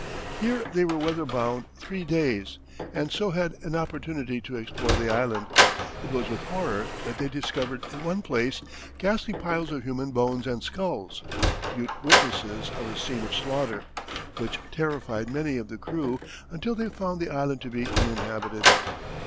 Here they were weather bound three days, and so had an opportunity to explore the island. It was with horror that they discovered in one place ghastly piles of human bones and skulls, mute witnesses of a scene of slaughter, which terrified many of the crew until they found the island to be uninhabited.